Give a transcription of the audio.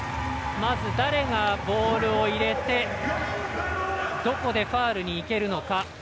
まず誰がボールを入れてどこでファウルにいけるのか。